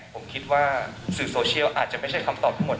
ผมคิดว่าสื่อโซเชียลอาจจะไม่ใช่คำตอบทั้งหมด